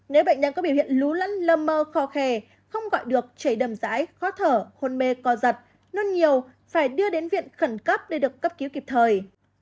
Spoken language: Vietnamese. nếu bệnh nhân có biểu hiện lú lẫn lơ mơ khó khề không gọi được chảy đầm rãi khó thở hôn mê co giật nôn nhiều phải đưa đến viện khẩn cấp để được cấp cứu kịp thời